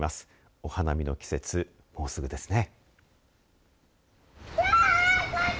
お花見の季節、もうすぐですね。